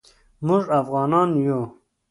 موږ افعانان یو